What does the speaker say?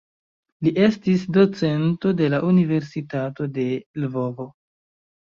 Li estis docento de la Universitato de Lvovo.